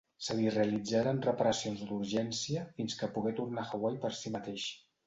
Se li realitzaren reparacions d'urgència fins que pogué tornar a Hawaii per si mateix.